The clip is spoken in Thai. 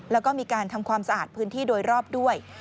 แล้วก็มีการทำความสะอาดพื้นที่โดยรอบด้วย